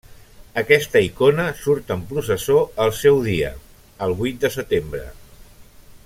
Aquesta icona surt en processó el seu dia, el vuit de setembre.